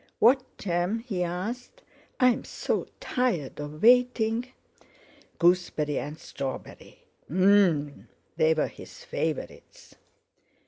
"What jam?" he asked. "I'm so tired of waiting." "Gooseberry and strawberry." Num! They were his favourites!